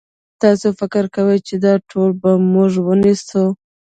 تاسو فکر کوئ چې دا ټول به موږ ونیسو؟